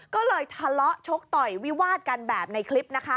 ก็เลยทะเลาะชกต่อยวิวาดกันแบบในคลิปนะคะ